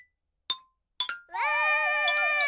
わ！